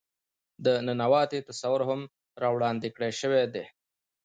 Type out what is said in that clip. د ننواتې تصور هم را وړاندې کړے شوے دے.